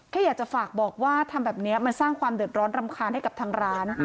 แค่อยากจะฝากบอกว่าทำแบบนี้มันสร้างความเดือดร้อนรำคาญให้กับทางร้าน